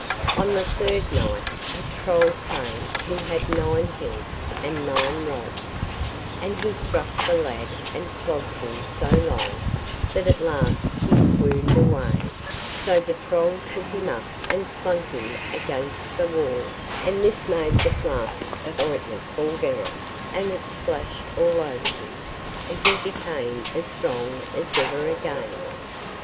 On the third night a Troll came who had nine heads and nine rods, and he struck the lad and flogged him so long, that at last he swooned away; so the Troll took him up and flung him against the wall, and this made the flask of ointment fall down, and it splashed all over him, and he became as strong as ever again.